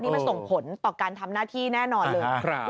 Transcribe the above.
นี่มันส่งผลต่อการทำหน้าที่แน่นอนเลย